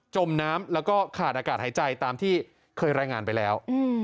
มน้ำแล้วก็ขาดอากาศหายใจตามที่เคยรายงานไปแล้ว